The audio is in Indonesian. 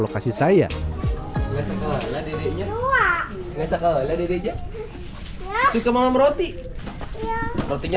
lokasi saya tidak sekolah dedeknya enggak sekolah dedeknya suka makan roti rotinya